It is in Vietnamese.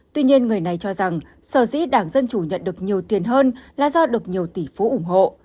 tuy nhiên người này cho rằng sở dĩ đảng dân chủ nhận được nhiều tiền hơn là do được nhiều tỷ phú ủng hộ